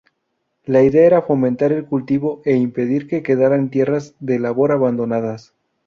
La idea era fomentar el cultivo e impedir que quedaran tierras de labor abandonadas.